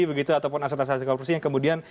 begitu ataupun aset aset korupsi yang kemudian